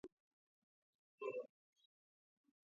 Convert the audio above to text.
ისიც დათანხმდა და დედამიწაზე კვლავ დაბრუნდა სინათლე.